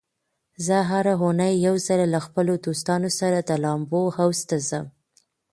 زه هره اونۍ یو ځل له خپلو دوستانو سره د لامبو حوض ته ځم.